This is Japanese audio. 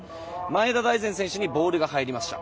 前田大然選手にボールが入りました。